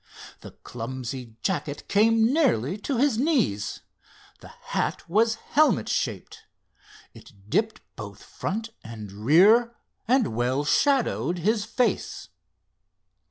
The clumsy jacket came nearly to his knees. The hat was helmet shaped. It dipped both front and rear and well shadowed his face.